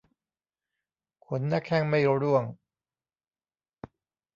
ขนหน้าแข้งไม่ร่วง